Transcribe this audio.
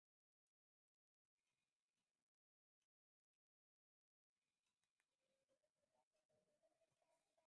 Ulifanya kazi gani jana.